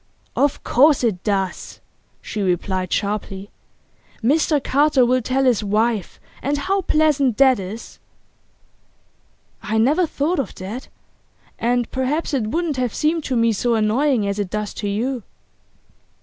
'Of course it does,' she replied sharply. 'Mr Carter will tell his wife, and how pleasant that is?' 'I never thought of that. And perhaps it wouldn't have seemed to me so annoying as it does to you.